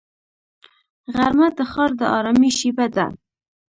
غرمه د ښار د ارامۍ شیبه ده